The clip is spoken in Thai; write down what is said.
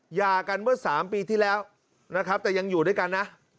ยากันเมื่อ๓ปีที่แล้วนะครับแต่ยังอยู่ด้วยกันนะ